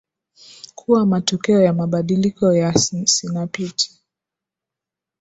kuwa matokeo ya mabadiliko ya sinapti